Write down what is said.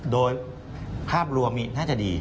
โดยภาพรวมน่าจะดี